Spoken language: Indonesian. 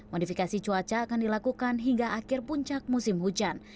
modifikasi cuaca akan dilakukan hingga akhir puncak musim hujan